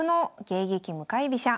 迎撃向かい飛車」